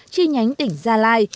chi nhánh tỉnh gia lai